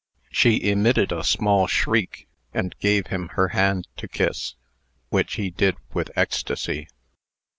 She emitted a small shriek, and gave him her hand to kiss, which he did with ecstasy.